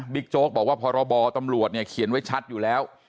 โจ๊กบอกว่าพรบตำรวจเนี่ยเขียนไว้ชัดอยู่แล้ว